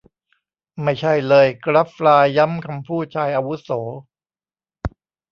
ไม่ใช่เลย กรัฟฟลาย ย้ำคำพูดชายอาวุโส